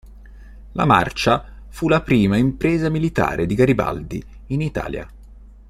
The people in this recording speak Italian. La marcia fu la prima impresa militare di Garibaldi in Italia.